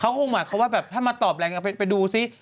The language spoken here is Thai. เขาคงมายเขาว่าแบบถ้ามาตอบแบบยังไงไปดูซิ